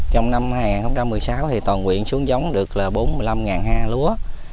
trong năm hai nghìn một mươi sáu toàn quyện xuống giống được bốn mươi năm ha lúa